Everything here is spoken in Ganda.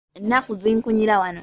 Ennaku zinkunyira wano.